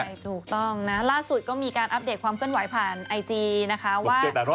ใช่ถูกต้องนะล่าสุดก็มีการอัปเดตความเคลื่อนไหวผ่านไอจีนะคะว่า